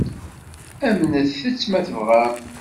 Amnet-tt, ma tebɣam.